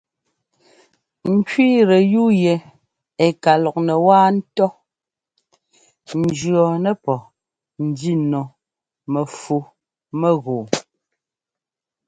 Ŋ kẅíitɛ yúu yɛ ɛ́ ka lɔknɛ wáa ńtɔ́ jʉ̈ɔɔ nɛpɔ́ njínumɛfumɛgɔɔ.